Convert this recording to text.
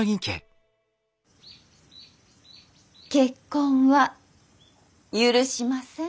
結婚は許しません。